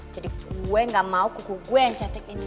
jadi gue gak mau kuku gue yang cetek ini